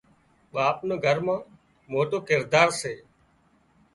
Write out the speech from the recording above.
ٻاپ نو گھر مان موٽو ڪردار سي